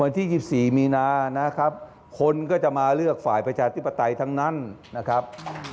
ที่๑๔มีนานะครับคนก็จะมาเลือกฝ่ายประชาธิปไตยทั้งนั้นนะครับ